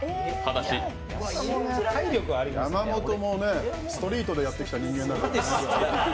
山本もね、ストリートでやってきた人間だから。